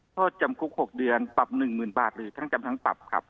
โทษจำคุก๖เดือนปรับ๑๐๐๐บาทหรือทั้งจำทั้งปรับครับ